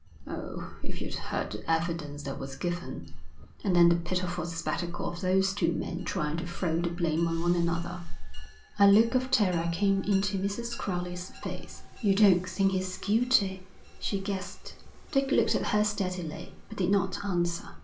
Oh, if you'd heard the evidence that was given! And then the pitiful spectacle of those two men trying to throw the blame on one another!' A look of terror came into Mrs. Crowley's face. 'You don't think he's guilty?' she gasped. Dick looked at her steadily, but did not answer.